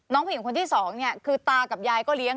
ผู้หญิงคนที่สองเนี่ยคือตากับยายก็เลี้ยง